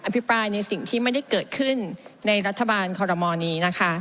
พิปรายในสิ่งที่ไม่ได้เกิดขึ้นในรัฐบาลคอรมอลนี้นะคะ